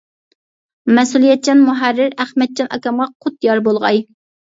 مەسئۇلىيەتچان مۇھەررىر ئەخمەتجان ئاكامغا قۇت يار بولغاي!